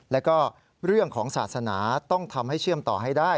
แล้วก็เรื่องของศาสนาต้องทำให้เชื่อมต่อให้ได้